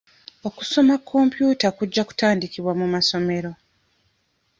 Okusoma kompyuta kujja kutandikibwa mu masomero.